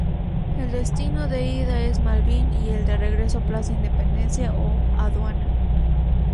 El destino de ida es Malvín y el de regreso Plaza Independencia o Aduana.